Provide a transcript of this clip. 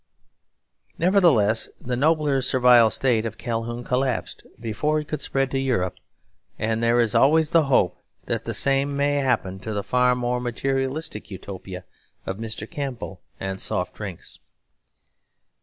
Nevertheless, the nobler Servile State of Calhoun collapsed before it could spread to Europe. And there is always the hope that the same may happen to the far more materialistic Utopia of Mr. Campbell and Soft Drinks.